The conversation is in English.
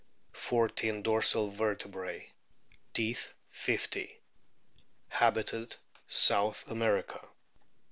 Fourteen dorsal vertebrae. Teeth, 50. Hab., South America.